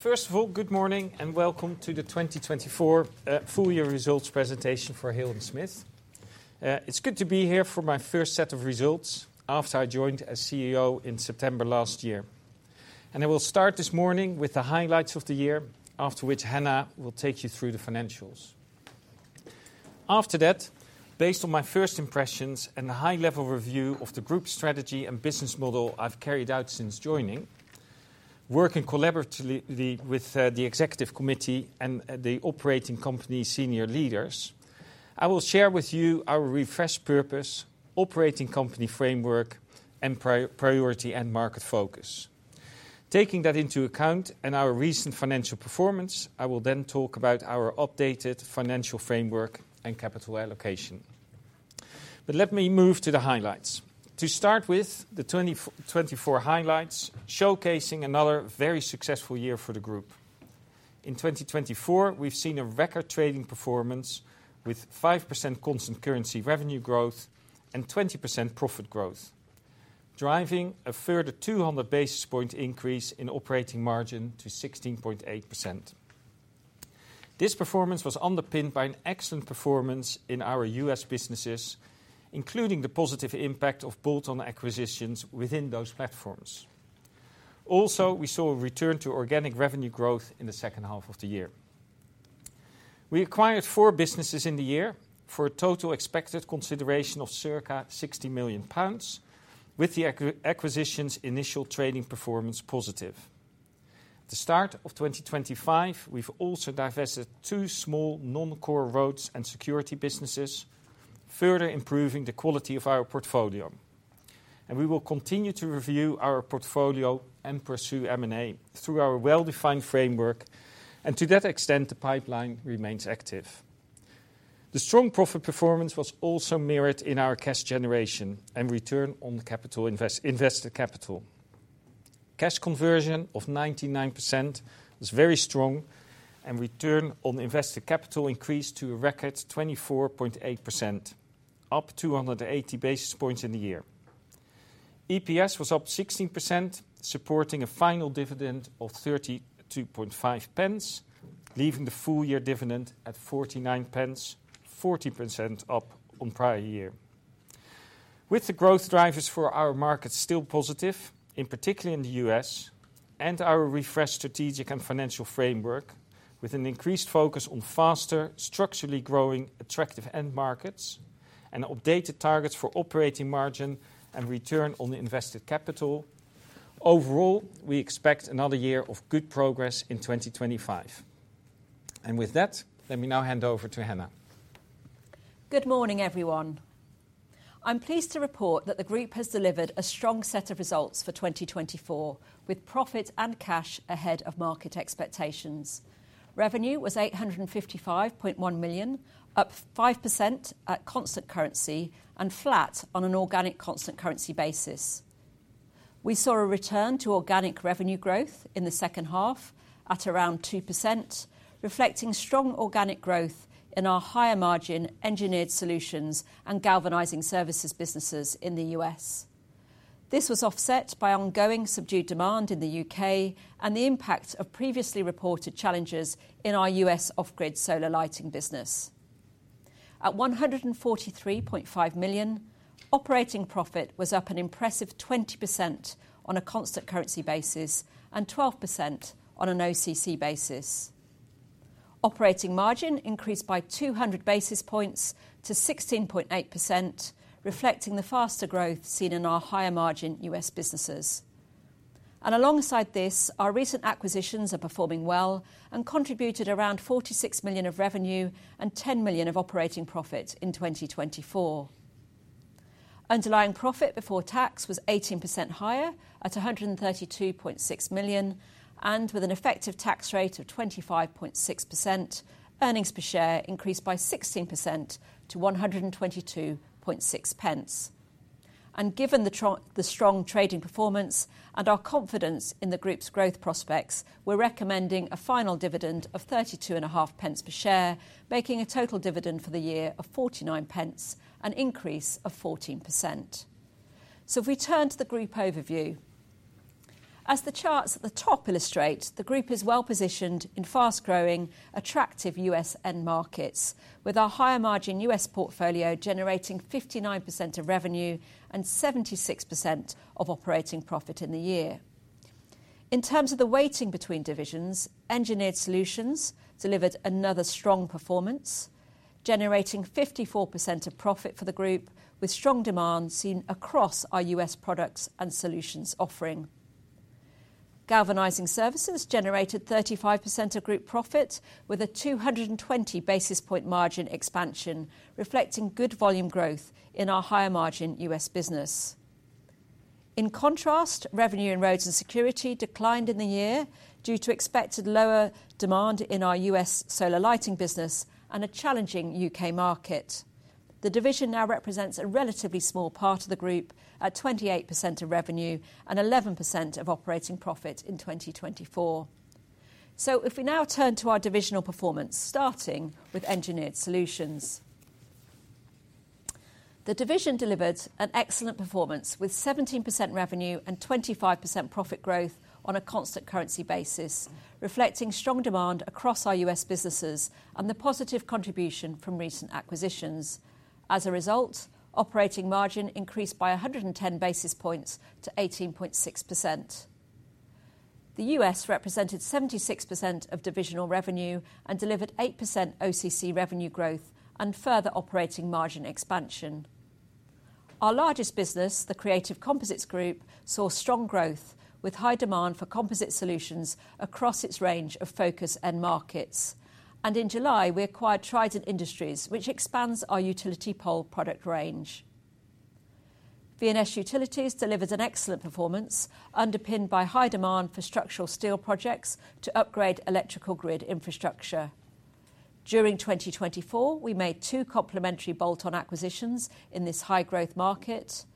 First of all, good morning and welcome to the 2024 full-year results presentation for Hill & Smith. It's good to be here for my first set of results after I joined as CEO in September last year. I will start this morning with the highlights of the year, after which Hannah will take you through the financials. After that, based on my first impressions and a high-level review of the group strategy and business model I've carried out since joining, working collaboratively with the executive committee and the operating company senior leaders, I will share with you our refreshed purpose, operating company framework, and priority and market focus. Taking that into account and our recent financial performance, I will then talk about our updated financial framework and capital allocation. Let me move to the highlights. To start with, the 2024 highlights showcasing another very successful year for the group. In 2024, we've seen a record trading performance with 5% constant currency revenue growth and 20% profit growth, driving a further 200 basis point increase in operating margin to 16.8%. This performance was underpinned by an excellent performance in our U.S. businesses, including the positive impact of bolt-on acquisitions within those platforms. Also, we saw a return to organic revenue growth in the second half of the year. We acquired four businesses in the year for a total expected consideration of circa 60 million pounds, with the acquisitions' initial trading performance positive. At the start of 2025, we've also divested two small non-core Roads and Security businesses, further improving the quality of our portfolio. We will continue to review our portfolio and pursue M&A through our well-defined framework, and to that extent, the pipeline remains active. The strong profit performance was also mirrored in our cash generation and return on invested capital. Cash conversion of 99% was very strong, and return on invested capital increased to a record 24.8%, up 280 basis points in the year. EPS was up 16%, supporting a final dividend of 0.325, leaving the full-year dividend at 0.49, 14% up on prior year. With the growth drivers for our markets still positive, in particular in the U.S., and our refreshed strategic and financial framework, with an increased focus on faster, structurally growing, attractive end markets, and updated targets for operating margin and return on invested capital, overall, we expect another year of good progress in 2025. Let me now hand over to Hannah. Good morning, everyone. I'm pleased to report that the group has delivered a strong set of results for 2024, with profit and cash ahead of market expectations. Revenue was 855.1 million, up 5% at constant currency and flat on an organic constant currency basis. We saw a return to organic revenue growth in the second half at around 2%, reflecting strong organic growth in our higher margin Engineered Solutions and Galvanizing Services businesses in the U.S. This was offset by ongoing subdued demand in the U.K. and the impact of previously reported challenges in our U.S. off-grid solar lighting business. At 143.5 million, operating profit was up an impressive 20% on a constant currency basis and 12% on an OCC basis. Operating margin increased by 200 basis points to 16.8%, reflecting the faster growth seen in our higher margin U.S. businesses. Alongside this, our recent acquisitions are performing well and contributed around 46 million of revenue and 10 million of operating profit in 2024. Underlying profit before tax was 18% higher at 132.6 million, and with an effective tax rate of 25.6%, earnings per share increased by 16% to 1.226. Given the strong trading performance and our confidence in the group's growth prospects, we are recommending a final dividend of 0.325 per share, making a total dividend for the year of 0.49, an increase of 14%. If we turn to the group overview, as the charts at the top illustrate, the group is well positioned in fast-growing, attractive U.S. end markets, with our higher margin U.S. portfolio generating 59% of revenue and 76% of operating profit in the year. In terms of the weighting between divisions, Engineered Solutions delivered another strong performance, generating 54% of profit for the group, with strong demand seen across our U.S. products and solutions offering. Galvanizing Services generated 35% of group profit, with a 220 basis point margin expansion, reflecting good volume growth in our higher margin U.S. business. In contrast, revenue in Roads and Security declined in the year due to expected lower demand in our U.S. solar lighting business and a challenging U.K. market. The division now represents a relatively small part of the group at 28% of revenue and 11% of operating profit in 2024. If we now turn to our divisional performance, starting with Engineered Solutions. The division delivered an excellent performance with 17% revenue and 25% profit growth on a constant currency basis, reflecting strong demand across our U.S. businesses and the positive contribution from recent acquisitions. As a result, operating margin increased by 110 basis points to 18.6%. The U.S. represented 76% of divisional revenue and delivered 8% OCC revenue growth and further operating margin expansion. Our largest business, the Creative Composites Group, saw strong growth with high demand for composite solutions across its range of focus and markets. In July, we acquired Trident Industries, which expands our utility pole product range. V&S Utilities delivered an excellent performance, underpinned by high demand for structural steel projects to upgrade electrical grid infrastructure. During 2024, we made two complementary bolt-on acquisitions in this high-growth market,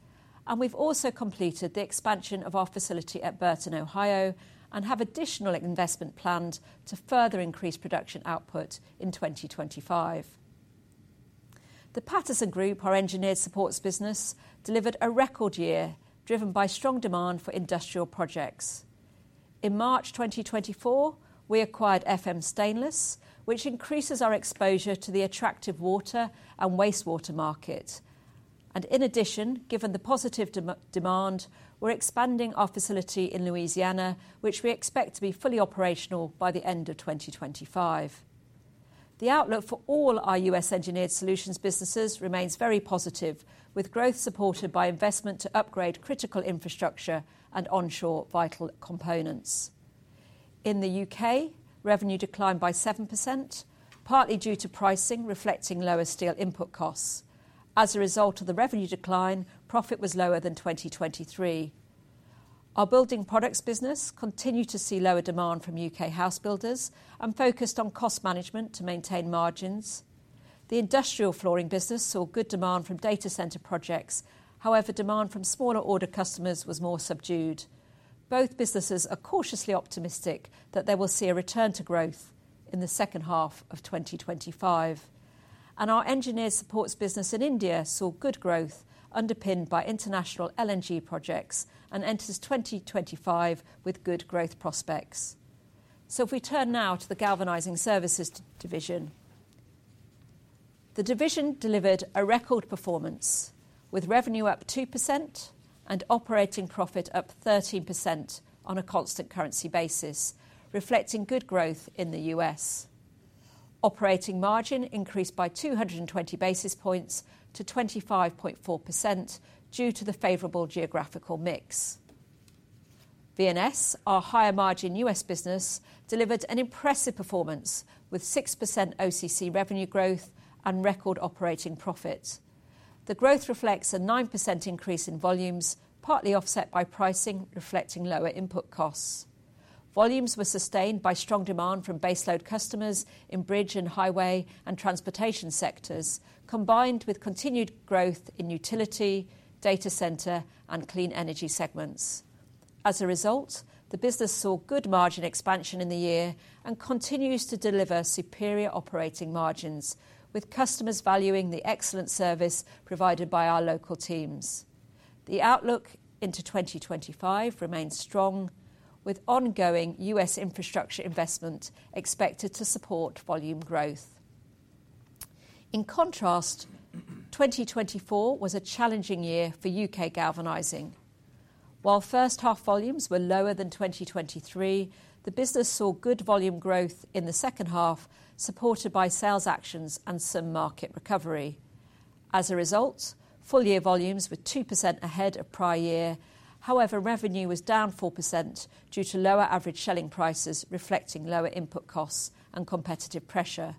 and we've also completed the expansion of our facility at Burton, Ohio, and have additional investment planned to further increase production output in 2025. The Paterson Group, our engineered supports business, delivered a record year driven by strong demand for industrial projects. In March 2024, we acquired FM Stainless, which increases our exposure to the attractive water and wastewater market. In addition, given the positive demand, we're expanding our facility in Louisiana, which we expect to be fully operational by the end of 2025. The outlook for all our U.S. Engineered Solutions businesses remains very positive, with growth supported by investment to upgrade critical infrastructure and onshore vital components. In the U.K., revenue declined by 7%, partly due to pricing reflecting lower steel input costs. As a result of the revenue decline, profit was lower than 2023. Our building products business continued to see lower demand from U.K. house builders and focused on cost management to maintain margins. The industrial flooring business saw good demand from data center projects. However, demand from smaller order customers was more subdued. Both businesses are cautiously optimistic that they will see a return to growth in the second half of 2025. Our engineered supports business in India saw good growth, underpinned by international LNG projects, and enters 2025 with good growth prospects. If we turn now to the Galvanizing Services division, the division delivered a record performance, with revenue up 2% and operating profit up 13% on a constant currency basis, reflecting good growth in the U.S. Operating margin increased by 220 basis points to 25.4% due to the favorable geographical mix. V&S, our higher margin U.S. business, delivered an impressive performance with 6% OCC revenue growth and record operating profit. The growth reflects a 9% increase in volumes, partly offset by pricing reflecting lower input costs. Volumes were sustained by strong demand from baseload customers in bridge and highway and transportation sectors, combined with continued growth in utility, data center, and clean energy segments. As a result, the business saw good margin expansion in the year and continues to deliver superior operating margins, with customers valuing the excellent service provided by our local teams. The outlook into 2025 remains strong, with ongoing U.S. infrastructure investment expected to support volume growth. In contrast, 2024 was a challenging year for U.K. Galvanizing. While first-half volumes were lower than 2023, the business saw good volume growth in the second half, supported by sales actions and some market recovery. As a result, full-year volumes were 2% ahead of prior year, however, revenue was down 4% due to lower average selling prices, reflecting lower input costs and competitive pressure.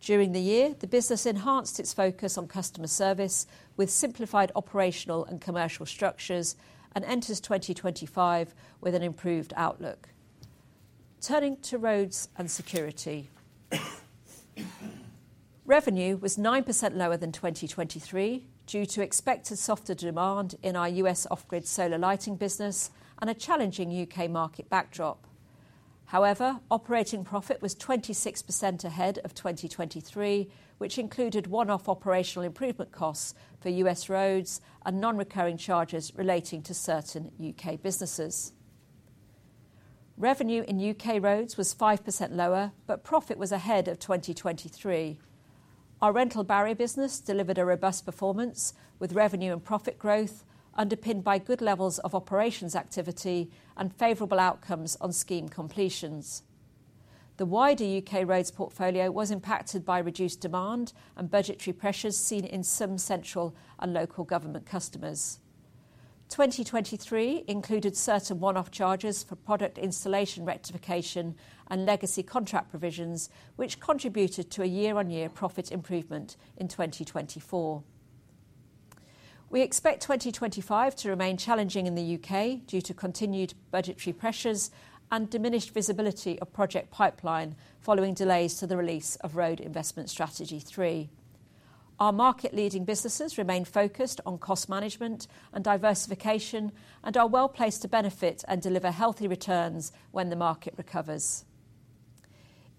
During the year, the business enhanced its focus on customer service with simplified operational and commercial structures and enters 2025 with an improved outlook. Turning to Roads and Security. Revenue was 9% lower than 2023 due to expected softer demand in our U.S. off-grid solar lighting business and a challenging U.K. market backdrop. However, operating profit was 26% ahead of 2023, which included one-off operational improvement costs for U.S. roads and non-recurring charges relating to certain U.K. businesses. Revenue in U.K. roads was 5% lower, but profit was ahead of 2023. Our rental barrier business delivered a robust performance with revenue and profit growth, underpinned by good levels of operations activity and favorable outcomes on scheme completions. The wider U.K. roads portfolio was impacted by reduced demand and budgetary pressures seen in some central and local government customers. 2023 included certain one-off charges for product installation rectification and legacy contract provisions, which contributed to a year-on-year profit improvement in 2024. We expect 2025 to remain challenging in the U.K. due to continued budgetary pressures and diminished visibility of project pipeline following delays to the release of Road Investment Strategy 3. Our market-leading businesses remain focused on cost management and diversification and are well placed to benefit and deliver healthy returns when the market recovers.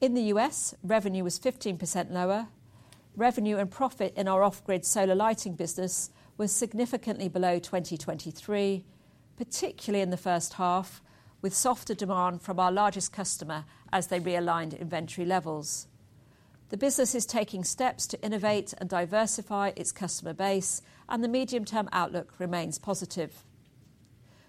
In the U.S., revenue was 15% lower. Revenue and profit in our off-grid solar lighting business was significantly below 2023, particularly in the first half, with softer demand from our largest customer as they realigned inventory levels. The business is taking steps to innovate and diversify its customer base, and the medium-term outlook remains positive.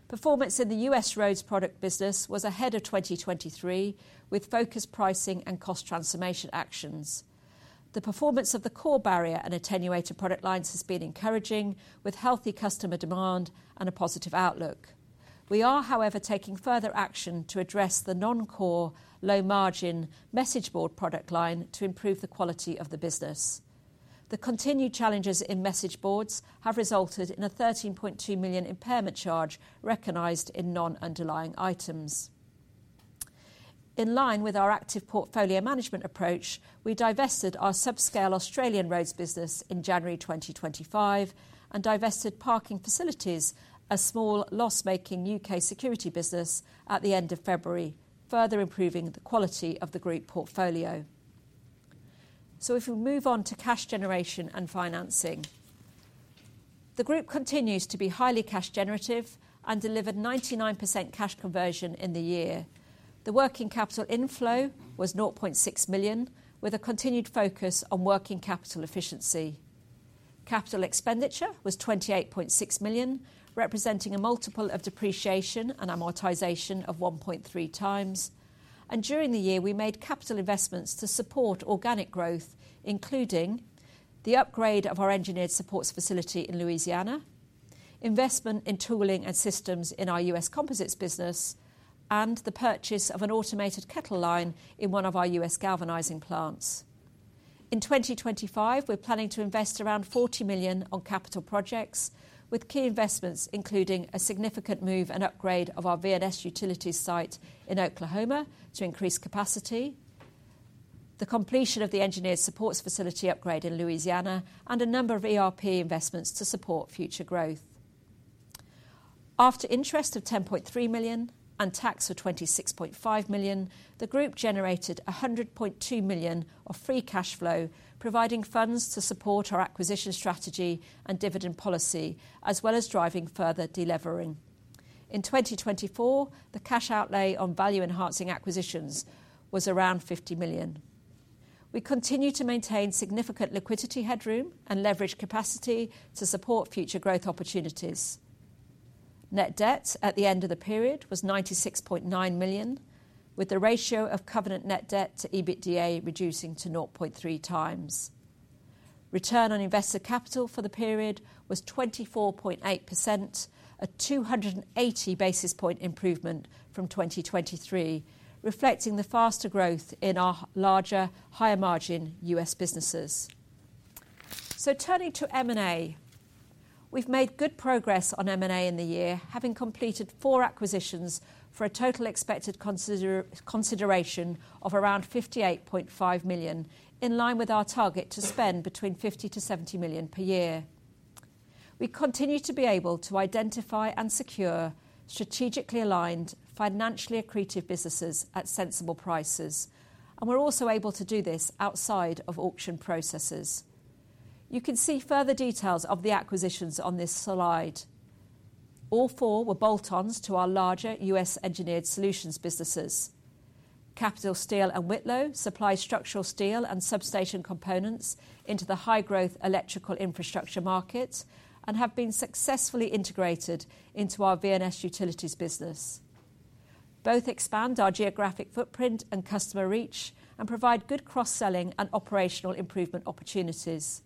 Performance in the U.S. roads product business was ahead of 2023, with focused pricing and cost transformation actions. The performance of the core barrier and attenuator product lines has been encouraging, with healthy customer demand and a positive outlook. We are, however, taking further action to address the non-core, low-margin message board product line to improve the quality of the business. The continued challenges in message boards have resulted in a 13.2 million impairment charge recognized in non-underlying items. In line with our active portfolio management approach, we divested our subscale Australian roads business in January 2025 and divested Parking Facilities, a small loss-making U.K. security business, at the end of February, further improving the quality of the group portfolio. If we move on to cash generation and financing. The group continues to be highly cash generative and delivered 99% cash conversion in the year. The working capital inflow was 0.6 million, with a continued focus on working capital efficiency. Capital expenditure was 28.6 million, representing a multiple of depreciation and amortization of 1.3x. During the year, we made capital investments to support organic growth, including the upgrade of our engineered supports facility in Louisiana, investment in tooling and systems in our U.S. composites business, and the purchase of an automated kettle line in one of our U.S. galvanizing plants. In 2025, we're planning to invest around 40 million on capital projects, with key investments including a significant move and upgrade of our V&S Utilities site in Oklahoma to increase capacity, the completion of the engineered supports facility upgrade in Louisiana, and a number of ERP investments to support future growth. After interest of 10.3 million and tax of 26.5 million, the group generated 100.2 million of free cash flow, providing funds to support our acquisition strategy and dividend policy, as well as driving further de-levering. In 2024, the cash outlay on value-enhancing acquisitions was around 50 million. We continue to maintain significant liquidity headroom and leverage capacity to support future growth opportunities. Net debt at the end of the period was 96.9 million, with the ratio of covenant net debt to EBITDA reducing to 0.3x. Return on invested capital for the period was 24.8%, a 280 basis point improvement from 2023, reflecting the faster growth in our larger, higher margin U.S. businesses. Turning to M&A, we've made good progress on M&A in the year, having completed four acquisitions for a total expected consideration of around 58.5 million, in line with our target to spend between 50 million-70 million per year. We continue to be able to identify and secure strategically aligned, financially accretive businesses at sensible prices, and we're also able to do this outside of auction processes. You can see further details of the acquisitions on this slide. All four were bolt-ons to our larger U.S. Engineered Solutions businesses. Capital Steel and Whitlow supply structural steel and substation components into the high-growth electrical infrastructure markets and have been successfully integrated into our V&S Utilities business. Both expand our geographic footprint and customer reach and provide good cross-selling and operational improvement opportunities.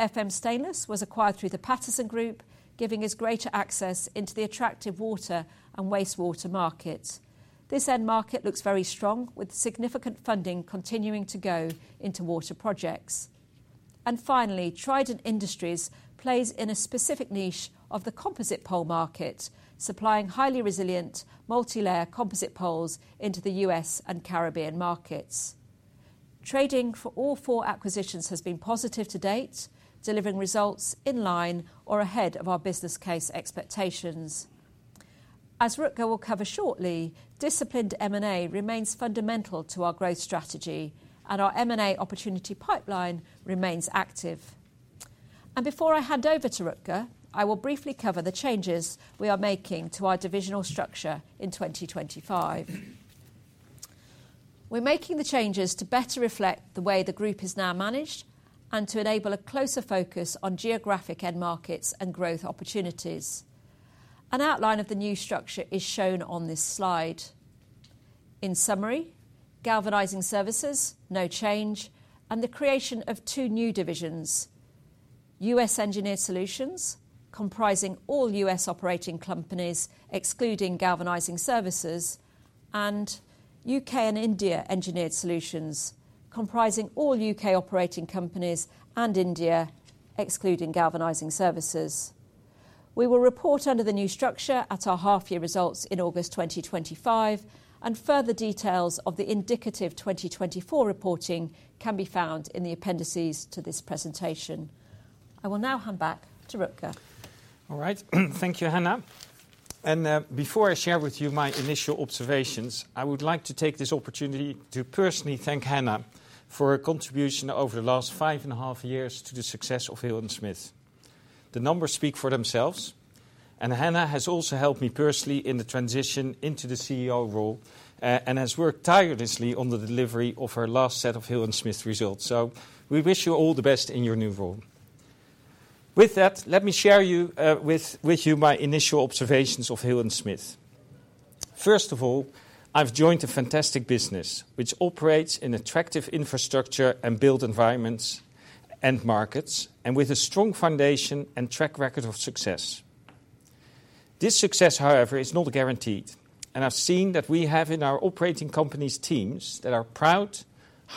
FM Stainless was acquired through the Paterson Group, giving us greater access into the attractive water and wastewater market. This end market looks very strong, with significant funding continuing to go into water projects. Finally, Trident Industries plays in a specific niche of the composite pole market, supplying highly resilient multi-layer composite poles into the U.S. and Caribbean markets. Trading for all four acquisitions has been positive to date, delivering results in line or ahead of our business case expectations. As Rutger will cover shortly, disciplined M&A remains fundamental to our growth strategy, and our M&A opportunity pipeline remains active. Before I hand over to Rutger, I will briefly cover the changes we are making to our divisional structure in 2025. We are making the changes to better reflect the way the group is now managed and to enable a closer focus on geographic end markets and growth opportunities. An outline of the new structure is shown on this slide. In summary, Galvanizing Services, no change, and the creation of two new divisions: U.S. Engineered Solutions, comprising all U.S. operating companies excluding Galvanizing Services, and U.K. and India Engineered Solutions, comprising all U.K. operating companies and India excluding Galvanizing Services. We will report under the new structure at our half-year results in August 2025, and further details of the indicative 2024 reporting can be found in the appendices to this presentation. I will now hand back to Rutger. All right, thank you, Hannah. Before I share with you my initial observations, I would like to take this opportunity to personally thank Hannah for her contribution over the last five and a half years to the success of Hill & Smith. The numbers speak for themselves, and Hannah has also helped me personally in the transition into the CEO role and has worked tirelessly on the delivery of her last set of Hill & Smith results. We wish you all the best in your new role. With that, let me share with you my initial observations of Hill & Smith. First of all, I've joined a fantastic business which operates in attractive infrastructure and built environment markets, and with a strong foundation and track record of success. This success, however, is not guaranteed, and I've seen that we have in our operating companies teams that are proud,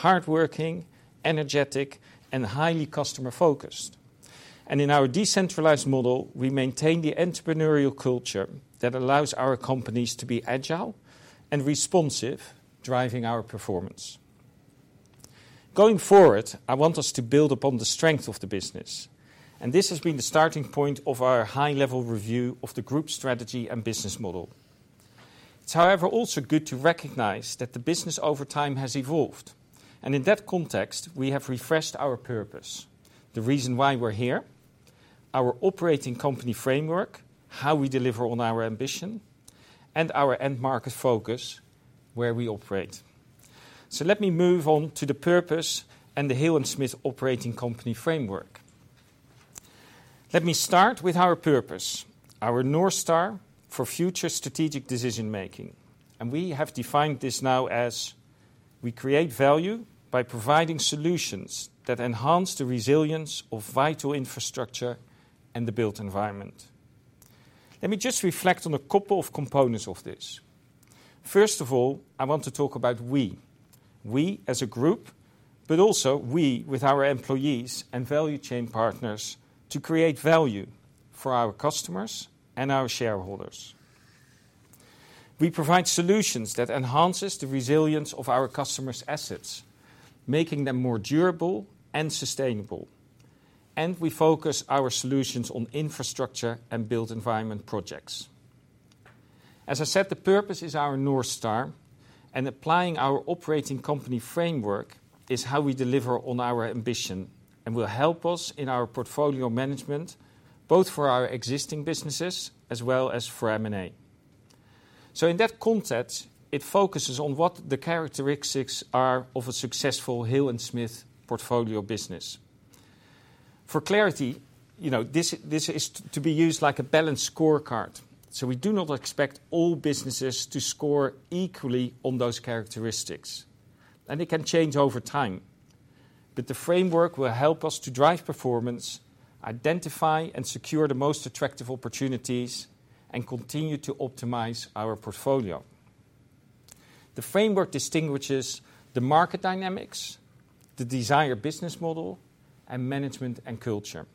hardworking, energetic, and highly customer-focused. In our decentralized model, we maintain the entrepreneurial culture that allows our companies to be agile and responsive, driving our performance. Going forward, I want us to build upon the strength of the business, and this has been the starting point of our high-level review of the group strategy and business model. It's, however, also good to recognize that the business over time has evolved, and in that context, we have refreshed our purpose, the reason why we're here, our operating company framework, how we deliver on our ambition, and our end market focus where we operate. Let me move on to the purpose and the Hill & Smith operating company framework. Let me start with our purpose, our North Star for future strategic decision-making, and we have defined this now as we create value by providing solutions that enhance the resilience of vital infrastructure and the built environment. Let me just reflect on a couple of components of this. First of all, I want to talk about we, we as a group, but also we with our employees and value chain partners to create value for our customers and our shareholders. We provide solutions that enhance the resilience of our customers' assets, making them more durable and sustainable, and we focus our solutions on infrastructure and built environment projects. As I said, the purpose is our North Star, and applying our operating company framework is how we deliver on our ambition and will help us in our portfolio management, both for our existing businesses as well as for M&A. In that context, it focuses on what the characteristics are of a successful Hill & Smith portfolio business. For clarity, you know, this is to be used like a balanced scorecard. We do not expect all businesses to score equally on those characteristics, and it can change over time. The framework will help us to drive performance, identify and secure the most attractive opportunities, and continue to optimize our portfolio. The framework distinguishes the market dynamics, the desired business model, and management and culture.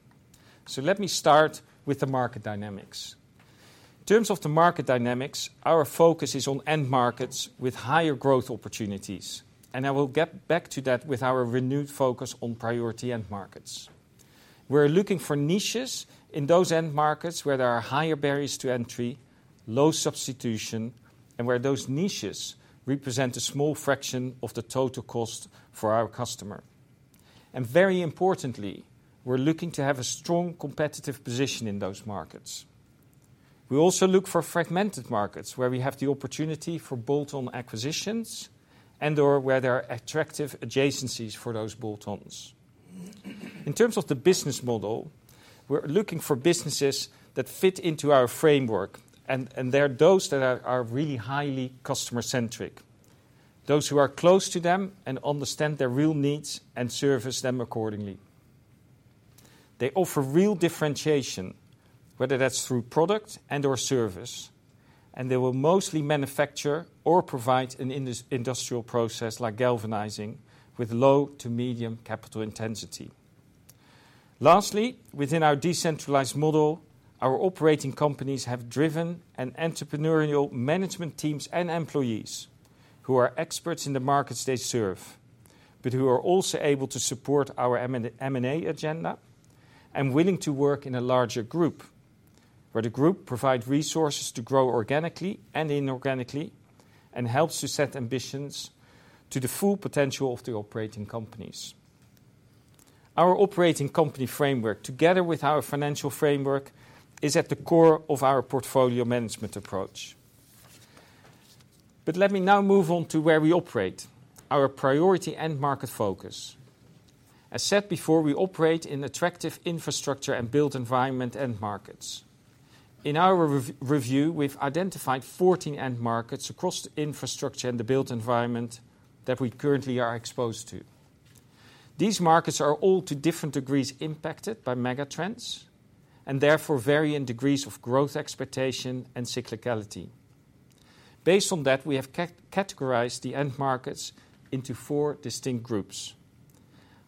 Let me start with the market dynamics. In terms of the market dynamics, our focus is on end markets with higher growth opportunities, and I will get back to that with our renewed focus on priority end markets. We're looking for niches in those end markets where there are higher barriers to entry, low substitution, and where those niches represent a small fraction of the total cost for our customer. Very importantly, we're looking to have a strong competitive position in those markets. We also look for fragmented markets where we have the opportunity for bolt-on acquisitions and/or where there are attractive adjacencies for those bolt-ons. In terms of the business model, we're looking for businesses that fit into our framework, and they're those that are really highly customer-centric, those who are close to them and understand their real needs and service them accordingly. They offer real differentiation, whether that's through product and/or service, and they will mostly manufacture or provide an industrial process like galvanizing with low to medium capital intensity. Lastly, within our decentralized model, our operating companies have driven and entrepreneurial management teams and employees who are experts in the markets they serve, but who are also able to support our M&A agenda and willing to work in a larger group where the group provides resources to grow organically and inorganically and helps to set ambitions to the full potential of the operating companies. Our operating company framework, together with our financial framework, is at the core of our portfolio management approach. Let me now move on to where we operate, our priority end market focus. As said before, we operate in attractive infrastructure and built environment end markets. In our review, we've identified 14 end markets across the infrastructure and the built environment that we currently are exposed to. These markets are all to different degrees impacted by megatrends and therefore vary in degrees of growth expectation and cyclicality. Based on that, we have categorized the end markets into four distinct groups: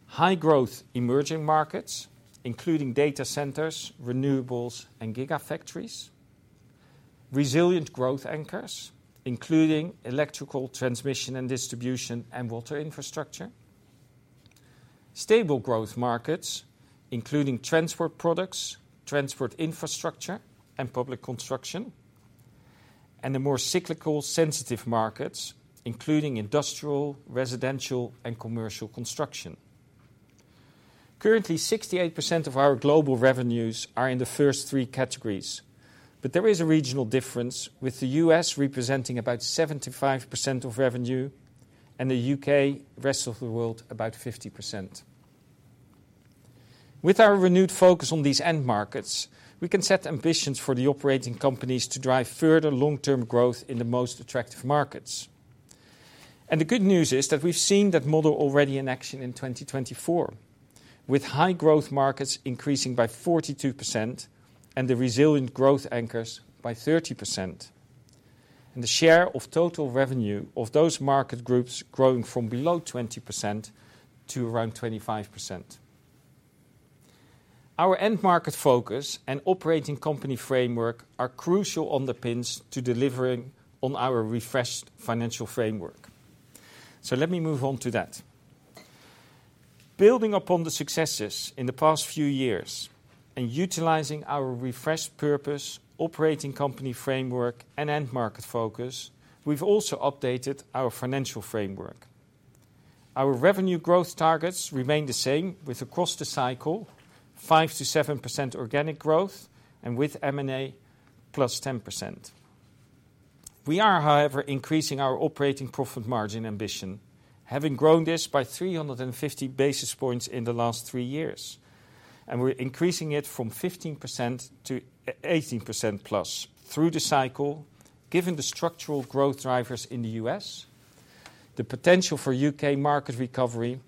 high-growth emerging markets, including data centers, renewables, and gigafactories; resilient growth anchors, including electrical transmission and distribution and water infrastructure; stable growth markets, including transport products, transport infrastructure, and public construction; and the more cyclical sensitive markets, including industrial, residential, and commercial construction. Currently, 68% of our global revenues are in the first three categories, but there is a regional difference with the U.S. representing about 75% of revenue and the U.K., rest of the world, about 50%. With our renewed focus on these end markets, we can set ambitions for the operating companies to drive further long-term growth in the most attractive markets. The good news is that we've seen that model already in action in 2024, with high-growth markets increasing by 42% and the resilient growth anchors by 30%, and the share of total revenue of those market groups growing from below 20% to around 25%. Our end market focus and operating company framework are crucial underpins to delivering on our refreshed financial framework. Let me move on to that. Building upon the successes in the past few years and utilizing our refreshed purpose, operating company framework, and end market focus, we've also updated our financial framework. Our revenue growth targets remain the same with across the cycle, 5%-7% organic growth, and with M&A +10%. We are, however, increasing our operating profit margin ambition, having grown this by 350 basis points in the last three years, and we're increasing it from 15% to 18%+ through the cycle, given the structural growth drivers in the U.S., the potential for U.K. market recovery,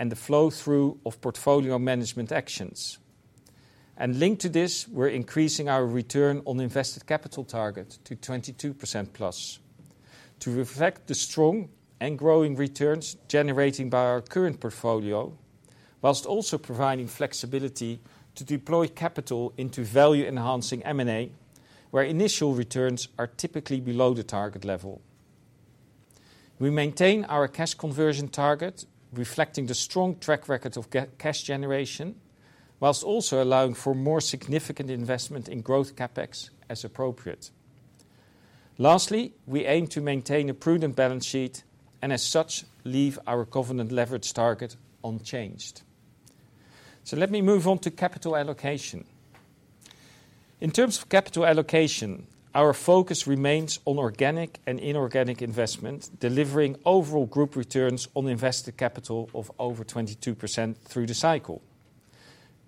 and the flow-through of portfolio management actions. Linked to this, we're increasing our return on invested capital target to 22%+ to reflect the strong and growing returns generating by our current portfolio, whilst also providing flexibility to deploy capital into value-enhancing M&A where initial returns are typically below the target level. We maintain our cash conversion target, reflecting the strong track record of cash generation, whilst also allowing for more significant investment in growth CapEx as appropriate. Lastly, we aim to maintain a prudent balance sheet and, as such, leave our covenant leverage target unchanged. Let me move on to capital allocation. In terms of capital allocation, our focus remains on organic and inorganic investment, delivering overall group returns on invested capital of over 22% through the cycle,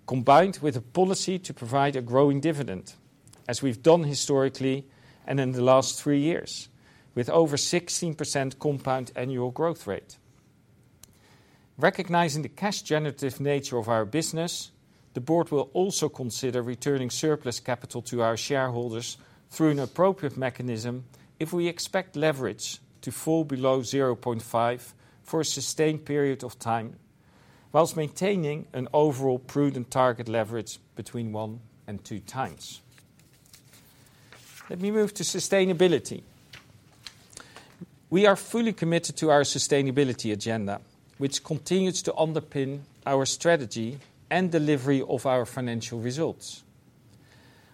combined with a policy to provide a growing dividend, as we've done historically and in the last three years, with over 16% compound annual growth rate. Recognizing the cash-generative nature of our business, the board will also consider returning surplus capital to our shareholders through an appropriate mechanism if we expect leverage to fall below 0.5x for a sustained period of time, whilst maintaining an overall prudent target leverage between 1x and 2x. Let me move to sustainability. We are fully committed to our sustainability agenda, which continues to underpin our strategy and delivery of our financial results.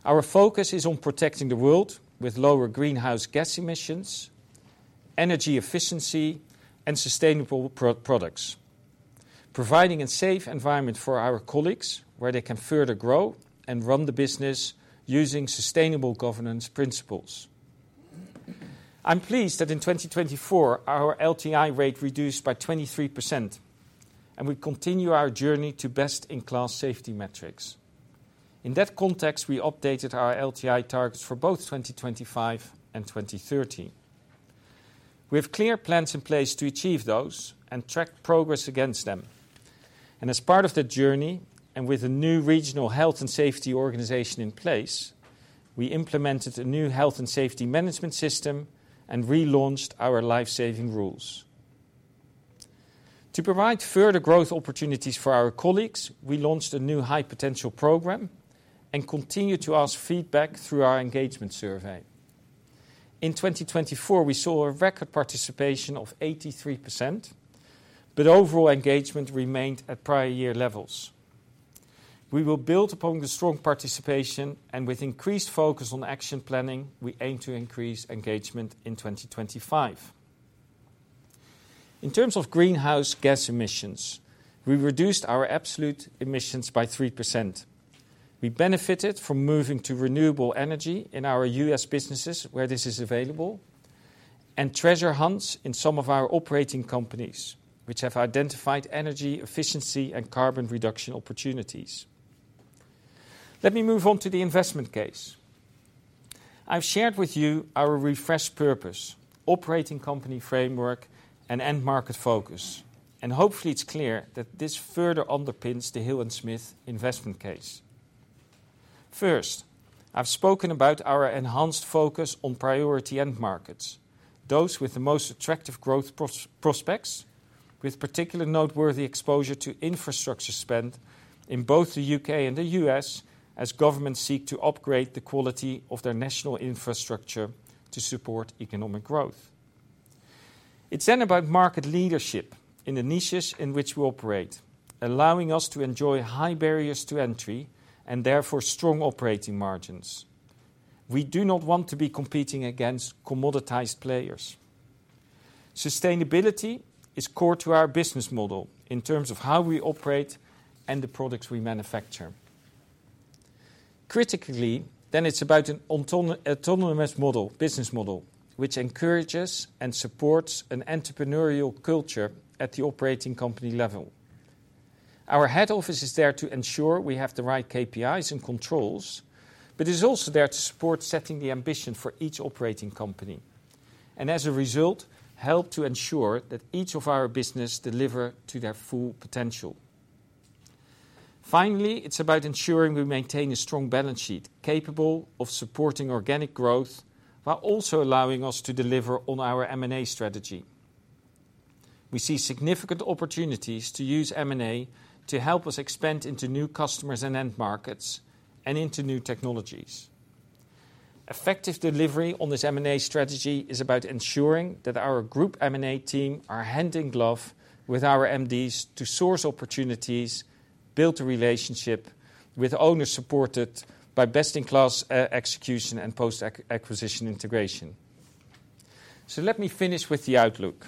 Our focus is on protecting the world with lower greenhouse gas emissions, energy efficiency, and sustainable products, providing a safe environment for our colleagues where they can further grow and run the business using sustainable governance principles. I'm pleased that in 2024, our LTI rate reduced by 23%, and we continue our journey to best-in-class safety metrics. In that context, we updated our LTI targets for both 2025 and 2030. We have clear plans in place to achieve those and track progress against them. As part of the journey and with a new regional health and safety organization in place, we implemented a new health and safety management system and relaunched our life-saving rules. To provide further growth opportunities for our colleagues, we launched a new high-potential program and continue to ask feedback through our engagement survey. In 2024, we saw a record participation of 83%, but overall engagement remained at prior year levels. We will build upon the strong participation, and with increased focus on action planning, we aim to increase engagement in 2025. In terms of greenhouse gas emissions, we reduced our absolute emissions by 3%. We benefited from moving to renewable energy in our U.S. businesses where this is available and treasure hunts in some of our operating companies, which have identified energy efficiency and carbon reduction opportunities. Let me move on to the investment case. I've shared with you our refreshed purpose, operating company framework, and end market focus, and hopefully it's clear that this further underpins the Hill & Smith investment case. First, I've spoken about our enhanced focus on priority end markets, those with the most attractive growth prospects, with particular noteworthy exposure to infrastructure spend in both the U.K. and the U.S. as governments seek to upgrade the quality of their national infrastructure to support economic growth. It's then about market leadership in the niches in which we operate, allowing us to enjoy high barriers to entry and therefore strong operating margins. We do not want to be competing against commoditized players. Sustainability is core to our business model in terms of how we operate and the products we manufacture. Critically, then it's about an autonomous business model, which encourages and supports an entrepreneurial culture at the operating company level. Our head office is there to ensure we have the right KPIs and controls, but it's also there to support setting the ambition for each operating company and, as a result, help to ensure that each of our businesses deliver to their full potential. Finally, it's about ensuring we maintain a strong balance sheet capable of supporting organic growth while also allowing us to deliver on our M&A strategy. We see significant opportunities to use M&A to help us expand into new customers and end markets and into new technologies. Effective delivery on this M&A strategy is about ensuring that our group M&A team are hand in glove with our MDs to source opportunities, build a relationship with owners supported by best-in-class execution and post-acquisition integration. Let me finish with the outlook.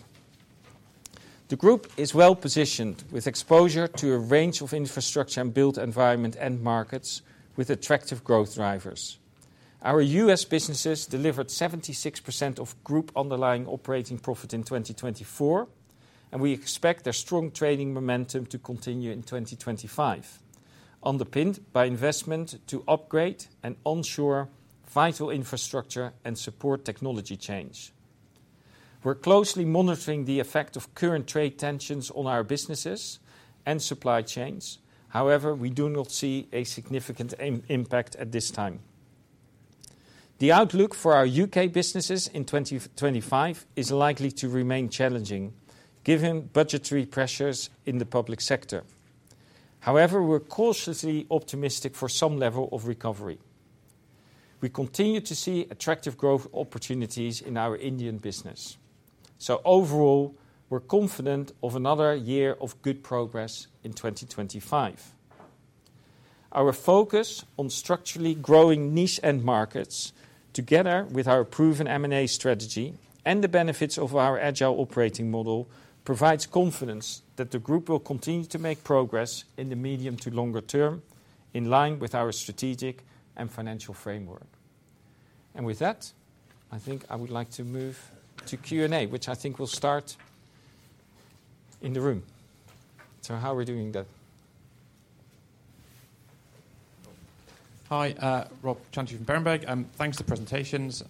The group is well positioned with exposure to a range of infrastructure and built environment end markets with attractive growth drivers. Our U.S. businesses delivered 76% of group underlying operating profit in 2024, and we expect their strong trading momentum to continue in 2025, underpinned by investment to upgrade and ensure vital infrastructure and support technology change. We are closely monitoring the effect of current trade tensions on our businesses and supply chains. However, we do not see a significant impact at this time. The outlook for our U.K. businesses in 2025 is likely to remain challenging given budgetary pressures in the public sector. However, we're cautiously optimistic for some level of recovery. We continue to see attractive growth opportunities in our Indian business. Overall, we're confident of another year of good progress in 2025. Our focus on structurally growing niche end markets, together with our proven M&A strategy and the benefits of our agile operating model, provides confidence that the group will continue to make progress in the medium to longer term in line with our strategic and financial framework. With that, I think I would like to move to Q&A, which I think will start in the room. How are we doing that? Hi, Rob Chantry from Berenberg. Thanks for the presentations.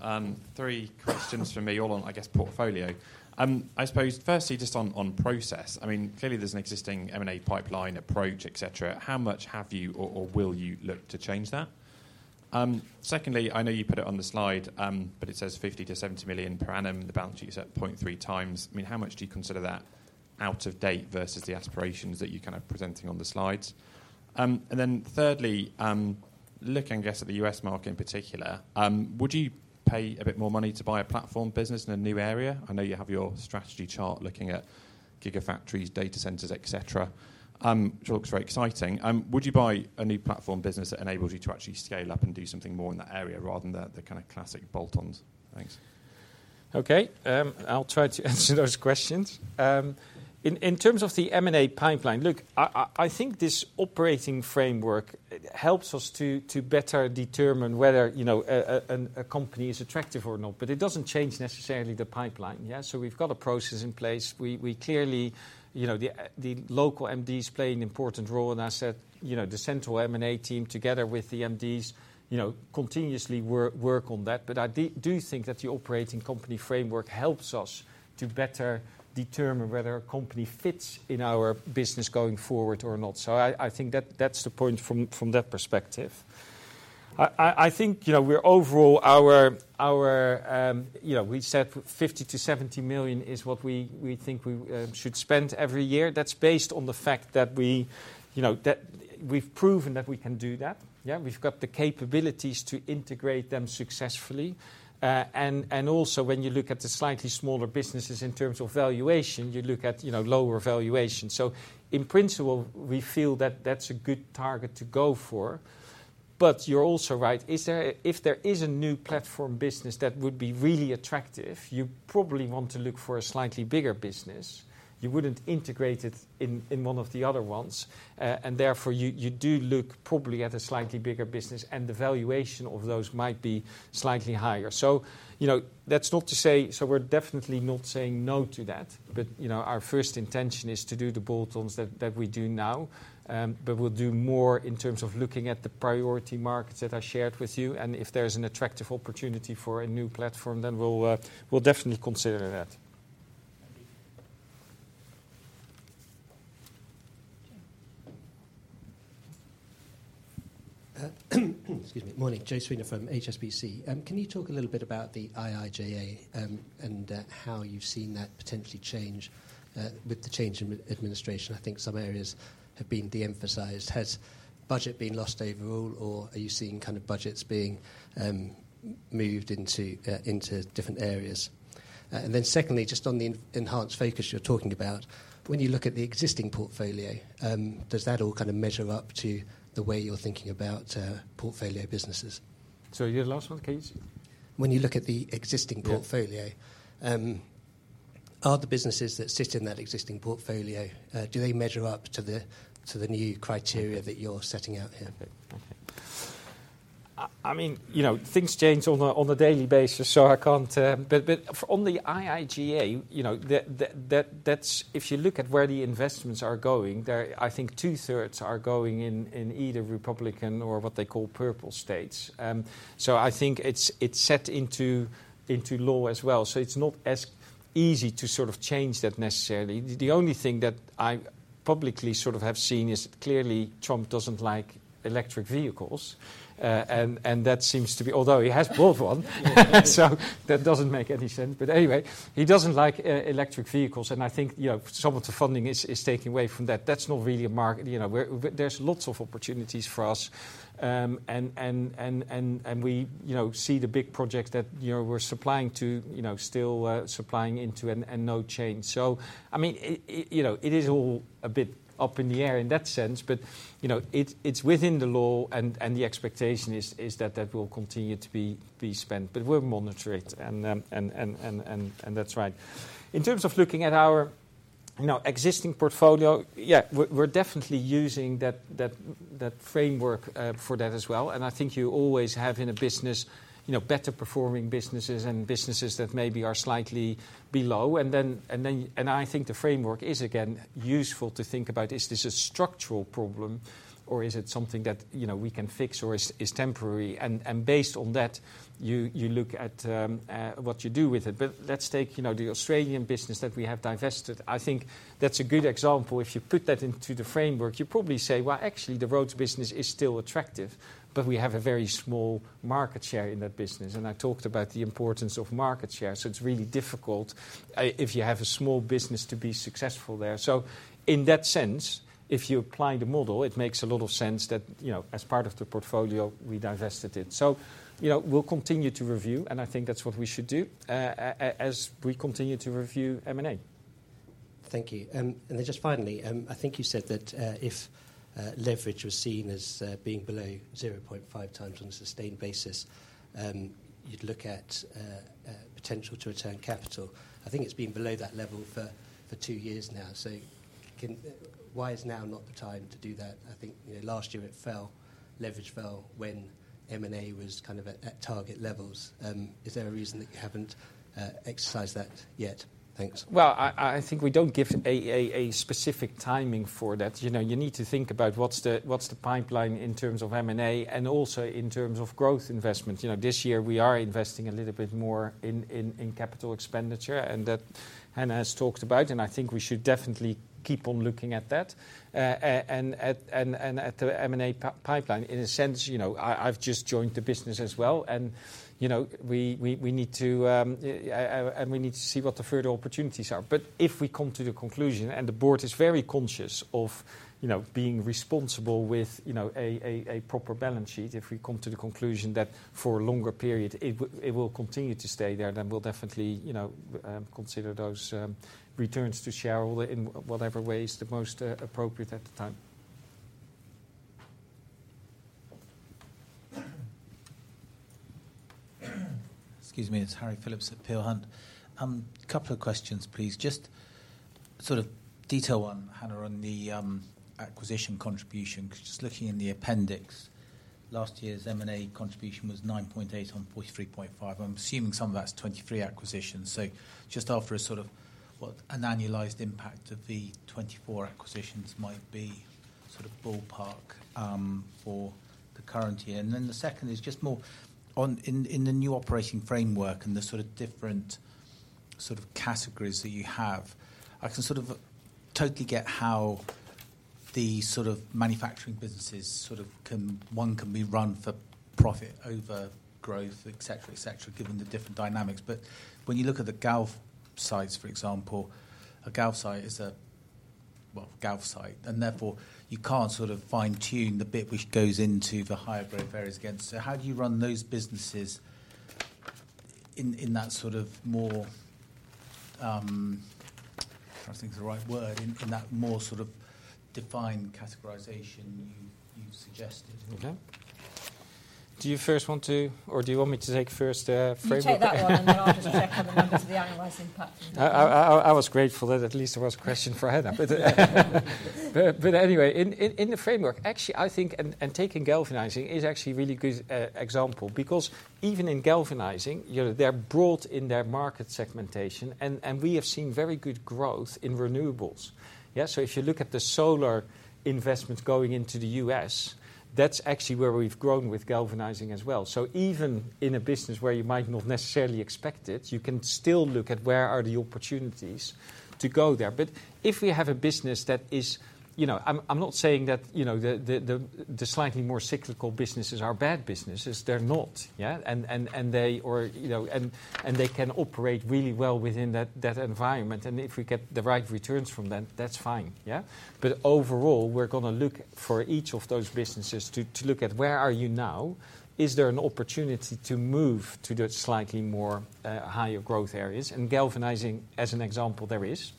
Three questions from me all on, I guess, portfolio. I suppose firstly, just on process, I mean, clearly there's an existing M&A pipeline approach, etc. How much have you or will you look to change that? Secondly, I know you put it on the slide, but it says 50 million-70 million per annum. The balance sheet is at 0.3x. I mean, how much do you consider that out of date versus the aspirations that you're kind of presenting on the slides? And then thirdly, looking at the U.S. market in particular, would you pay a bit more money to buy a platform business in a new area? I know you have your strategy chart looking at gigafactories, data centers, etc., which looks very exciting. Would you buy a new platform business that enables you to actually scale up and do something more in that area rather than the kind of classic bolt-ons? Thanks. Okay, I'll try to answer those questions. In terms of the M&A pipeline, look, I think this operating framework helps us to better determine whether a company is attractive or not, but it does not change necessarily the pipeline. Yeah, we have got a process in place. We clearly, the local MDs play an important role, and I said the central M&A team together with the MDs continuously work on that. I do think that the operating company framework helps us to better determine whether a company fits in our business going forward or not. I think that is the point from that perspective. I think we are overall, we said 50 million-70 million is what we think we should spend every year. That is based on the fact that we have proven that we can do that. Yeah, we have got the capabilities to integrate them successfully. Also, when you look at the slightly smaller businesses in terms of valuation, you look at lower valuation. In principle, we feel that that's a good target to go for. You're also right. If there is a new platform business that would be really attractive, you probably want to look for a slightly bigger business. You would not integrate it in one of the other ones. Therefore, you do look probably at a slightly bigger business, and the valuation of those might be slightly higher. That is not to say, we are definitely not saying no to that. Our first intention is to do the bolt-ons that we do now, but we will do more in terms of looking at the priority markets that I shared with you. If there is an attractive opportunity for a new platform, then we will definitely consider that. Excuse me. Morning. Joe Spooner from HSBC. Can you talk a little bit about the IIJA and how you've seen that potentially change with the change in administration? I think some areas have been de-emphasized. Has budget been lost overall, or are you seeing kind of budgets being moved into different areas? Secondly, just on the enhanced focus you're talking about, when you look at the existing portfolio, does that all kind of measure up to the way you're thinking about portfolio businesses? Sorry, you're thelast one, please. When you look at the existing portfolio, are the businesses that sit in that existing portfolio, do they measure up to the new criteria that you're setting out here? I mean, things change on a daily basis, so I can't. On the IIJA, if you look at where the investments are going, I think 2/3 are going in either Republican or what they call purple states. I think it is set into law as well. It is not as easy to sort of change that necessarily. The only thing that I publicly sort of have seen is clearly Trump does not like electric vehicles, and that seems to be, although he has bought one. That does not make any sense. Anyway, he does not like electric vehicles. I think some of the funding is taken away from that. That is not really a market. There are lots of opportunities for us, and we see the big projects that we are supplying to, still supplying into and no change. I mean, it is all a bit up in the air in that sense, but it's within the law, and the expectation is that that will continue to be spent. We'll monitor it, and that's right. In terms of looking at our existing portfolio, yeah, we're definitely using that framework for that as well. I think you always have in a business better-performing businesses and businesses that maybe are slightly below. I think the framework is, again, useful to think about, is this a structural problem, or is it something that we can fix, or is temporary? Based on that, you look at what you do with it. Let's take the Australian business that we have divested. I think that's a good example. If you put that into the framework, you probably say, actually, the roads business is still attractive, but we have a very small market share in that business. I talked about the importance of market share. It is really difficult if you have a small business to be successful there. In that sense, if you apply the model, it makes a lot of sense that as part of the portfolio, we divested it. We will continue to review, and I think that is what we should do as we continue to review M&A. Thank you. Finally, I think you said that if leverage was seen as being below 0.5x on a sustained basis, you would look at potential to return capital. I think it has been below that level for two years now. Why is now not the time to do that? I think last year it fell. Leverage fell when M&A was kind of at target levels. Is there a reason that you haven't exercised that yet? Thanks. I think we don't give a specific timing for that. You need to think about what's the pipeline in terms of M&A and also in terms of growth investment. This year, we are investing a little bit more in capital expenditure, and that Hannah has talked about, and I think we should definitely keep on looking at that and at the M&A pipeline. In a sense, I've just joined the business as well, and we need to see what the further opportunities are. If we come to the conclusion, and the board is very conscious of being responsible with a proper balance sheet, if we come to the conclusion that for a longer period, it will continue to stay there, then we'll definitely consider those returns to shareholder in whatever way is the most appropriate at the time. Excuse me. It's Harry Philips at Peel Hunt. A couple of questions, please. Just sort of detail one, Hannah, on the acquisition contribution. Just looking in the appendix, last year's M&A contribution was 9.8 million on 43.5 million. I'm assuming some of that's 2023 acquisitions. So just offer us sort of what an annualized impact of the 2024 acquisitions might be sort of ballpark for the current year. The second is just more in the new operating framework and the sort of different sort of categories that you have. I can sort of totally get how the sort of manufacturing businesses sort of one can be run for profit over growth, etc., etc., given the different dynamics. When you look at the galv sites, for example, a galv site is a, well, galv site, and therefore you can't sort of fine-tune the bit which goes into the higher growth areas again. How do you run those businesses in that sort of more, I'm trying to think of the right word, in that more sort of defined categorization you've suggested? Do you first want to, or do you want me to take first framework? You take that one, and then I'll just check on the numbers of the annualizing platform. I was grateful that at least there was a question for Hannah. Anyway, in the framework, actually, I think, and taking galvanizing is actually a really good example because even in galvanizing, they've broadened their market segmentation, and we have seen very good growth in renewables. Yeah, if you look at the solar investments going into the U.S., that's actually where we've grown with galvanizing as well. Even in a business where you might not necessarily expect it, you can still look at where are the opportunities to go there. If we have a business that is, I'm not saying that the slightly more cyclical businesses are bad businesses. They're not. Yeah, and they can operate really well within that environment. If we get the right returns from them, that's fine. Yeah, overall, we're going to look for each of those businesses to look at where are you now? Is there an opportunity to move to the slightly more higher growth areas? And galvanizing, as an example, there is.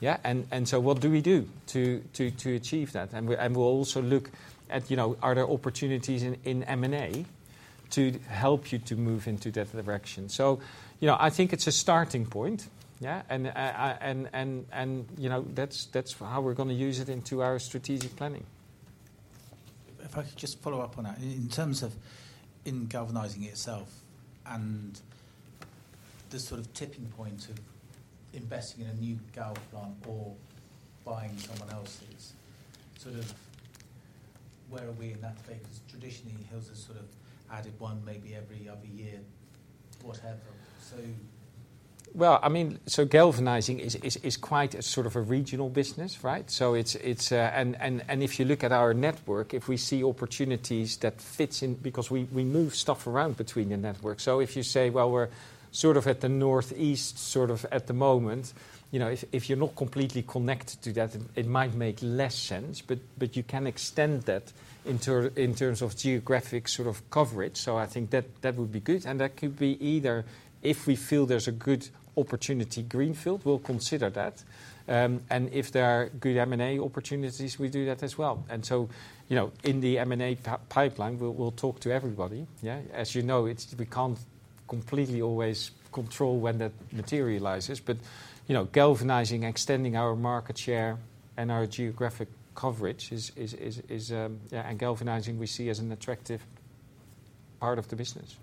Yeah, and so what do we do to achieve that? And we'll also look at, are there opportunities in M&A to help you to move into that direction? I think it's a starting point. Yeah, and that's how we're going to use it into our strategic planning. If I could just follow up on that, in terms of in galvanizing itself and the sort of tipping point of investing in a new galv plant or buying someone else's, sort of where are we in that space? Because traditionally, Hill & Smith has sort of added one maybe every other year. What happened? Galvanizing is quite a sort of a regional business, right? If you look at our network, if we see opportunities that fit in because we move stuff around between the network. If you say, we're sort of at the northeast sort of at the moment, if you're not completely connected to that, it might make less sense, but you can extend that in terms of geographic sort of coverage. I think that would be good. That could be either if we feel there's a good opportunity, greenfield, we'll consider that. If there are good M&A opportunities, we do that as well. In the M&A pipeline, we'll talk to everybody. As you know, we can't completely always control when that materializes. Galvanizing, extending our market share and our geographic coverage, and galvanizing, we see as an attractive part of the business.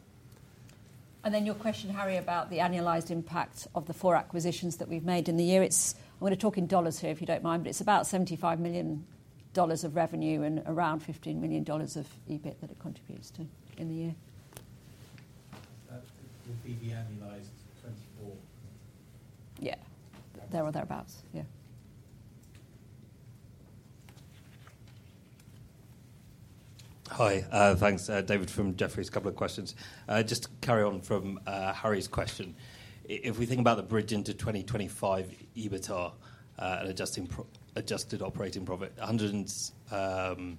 Your question, Harry, about the annualized impact of the four acquisitions that we've made in the year, I'm going to talk in dollars here if you don't mind, but it's about $75 million of revenue and around $15 million of EBIT that it contributes to in the year. That would be the annualized 2024? Yeah, there or thereabouts. Yeah. Hi, thanks, David from Jefferies. A couple of questions. Just to carry on from Harry's question, if we think about the bridge into 2025 EBITDA and adjusted operating profit, are we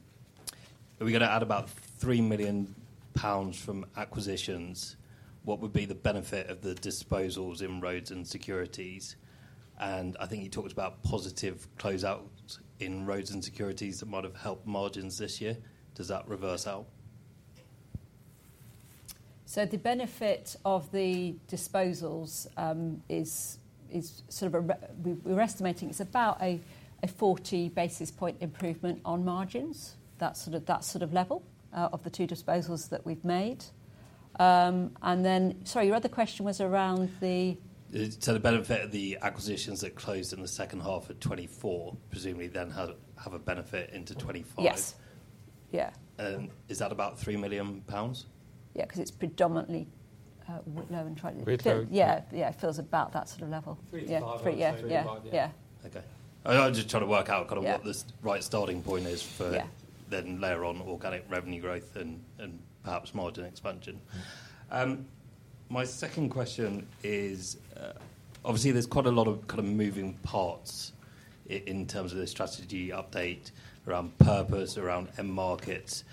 going to add about 3 million pounds from acquisitions? What would be the benefit of the disposals in Roads and Securities? And I think you talked about positive closeouts in Roads and Securities that might have helped margins this year. Does that reverse out? The benefit of the disposals is sort of we're estimating it's about a 40 basis point improvement on margins, that sort of level of the two disposals that we've made. Sorry, your other question was around the? Benefit of the acquisitions that closed in the second half of 2024, presumably then have a benefit into 2025. Yes. Yeah. Is that about 3 million pounds? Yeah, because it's predominantly Whitlow and Trident. Yeah, yeah, it feels about that sort of level. 3 million-5 million. Yeah. Yeah. Okay. I was just trying to work out kind of what the right starting point is for then later on organic revenue growth and perhaps margin expansion. My second question is, obviously, there's quite a lot of kind of moving parts in terms of this strategy update around purpose, around end markets,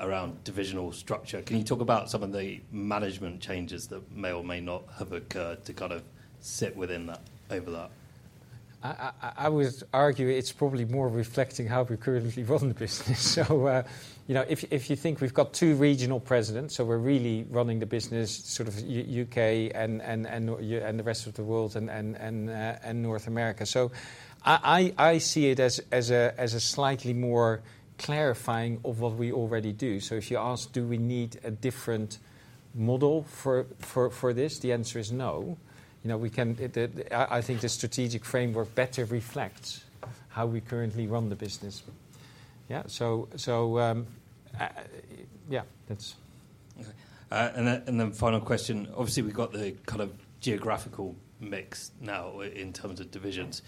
around divisional structure. Can you talk about some of the management changes that may or may not have occurred to kind of sit within that overlap? I would argue it's probably more reflecting how we're currently running the business. If you think we've got two regional presidents, we're really running the business sort of U.K. and the rest of the world and North America. I see it as a slightly more clarifying of what we already do. If you ask, do we need a different model for this, the answer is no. I think the strategic framework better reflects how we currently run the business. Yeah, that's. Final question, obviously, we've got the kind of geographical mix now in terms of divisions.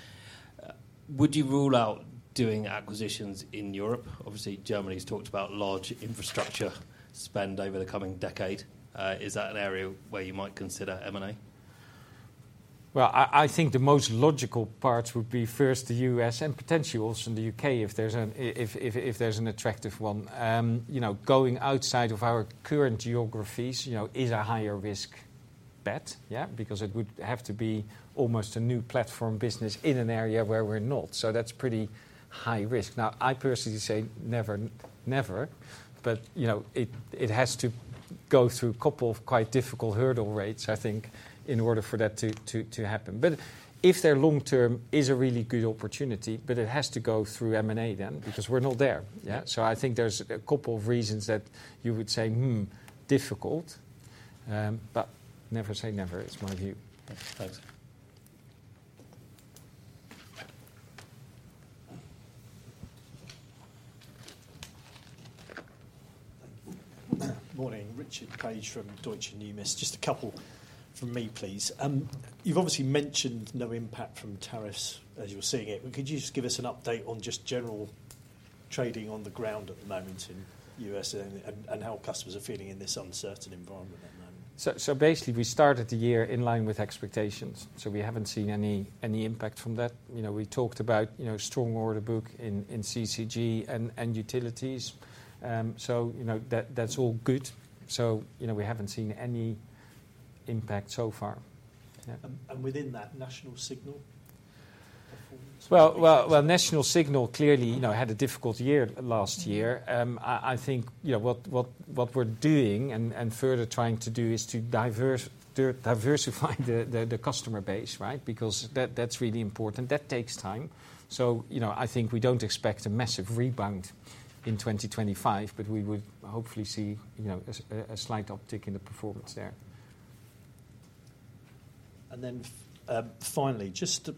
Would you rule out doing acquisitions in Europe? Obviously, Germany's talked about large infrastructure spend over the coming decade. Is that an area where you might consider M&A? I think the most logical part would be first the U.S. and potentially also in the U.K. if there's an attractive one. Going outside of our current geographies is a higher risk bet, yeah, because it would have to be almost a new platform business in an area where we're not. That is pretty high risk. I personally say never, never, but it has to go through a couple of quite difficult hurdle rates, I think, in order for that to happen. If they're long-term, it is a really good opportunity, but it has to go through M&A then because we're not there. I think there's a couple of reasons that you would say, difficult, but never say never. It's my view. Thanks. Morning, Richard Paige from Deutsche Numis. Just a couple from me, please. You've obviously mentioned no impact from tariffs as you're seeing it. Could you just give us an update on just general trading on the ground at the moment in the U.S. and how customers are feeling in this uncertain environment at the moment? Basically, we started the year in line with expectations. We haven't seen any impact from that. We talked about strong order book in CCG and Utilities. That's all good. We haven't seen any impact so far. Within that, National Signal's performance? National Signal clearly had a difficult year last year. I think what we're doing and further trying to do is to diversify the customer base, right, because that's really important. That takes time. I think we don't expect a massive rebound in 2025, but we would hopefully see a slight uptick in the performance there. Finally, just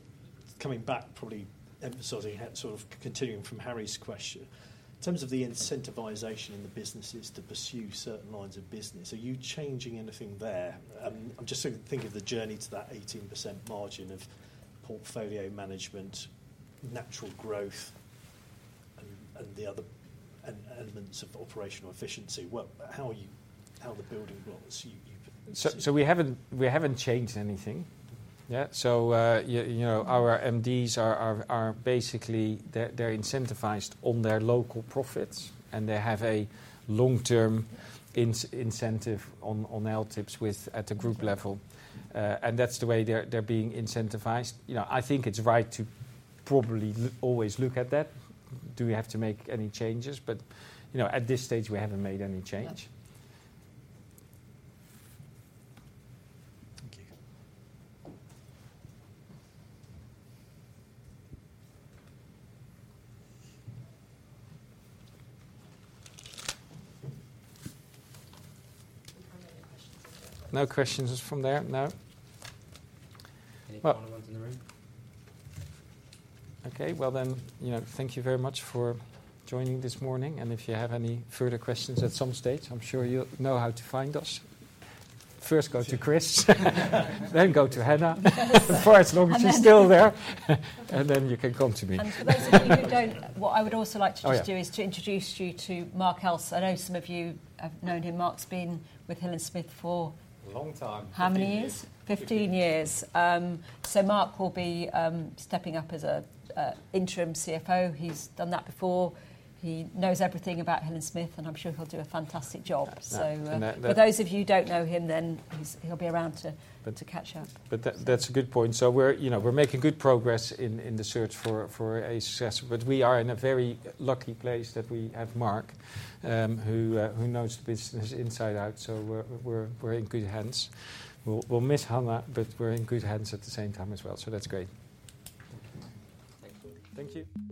coming back, probably emphasizing sort of continuing from Harry's question, in terms of the incentivization in the businesses to pursue certain lines of business, are you changing anything there? I'm just thinking of the journey to that 18% margin of portfolio management, natural growth, and the other elements of operational efficiency. How are the building blocks? We haven't changed anything. Yeah, our MDs are basically, they're incentivized on their local profits, and they have a long-term incentive on LTIPs at the group level. That's the way they're being incentivized. I think it's right to probably always look at that. Do we have to make any changes? At this stage, we haven't made any change. Thank you. No questions from there? No? Any final ones in the room? Okay. Thank you very much for joining this morning. If you have any further questions at some stage, I'm sure you know how to find us. First go to Chris, then go to Hannah as long as she's still there, and then you can come to me. For those of you who don't, what I would also like to just do is to introduce you to Mark Else. I know some of you have known him. Mark's been with Hill & Smith for A long time. How many years? Fifteen years. Fifteen Years. Mark will be stepping up as Interim CFO. He's done that before. He knows everything about Hill & Smith, and I'm sure he'll do a fantastic job. For those of you who don't know him, he'll be around to catch up. That's a good point. We're making good progress in the search for a success, but we are in a very lucky place that we have Mark, who knows the business inside out. We're in good hands. We'll miss Hannah, but we're in good hands at the same time as well. That's great. Thank you.